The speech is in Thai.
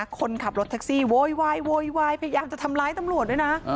คนขับรถแท็กซี่โวยวายโวยวายพยายามจะทำร้ายตำรวจด้วยนะ